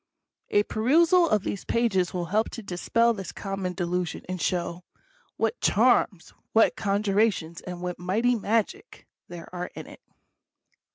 A perusal of these pages will help to dispel this common delusion, and show " What charms, What conjurations, and what mighty magic " there are in it.